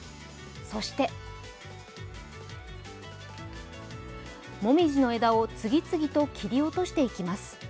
そしてもみじの枝を次々と切り落としていきます。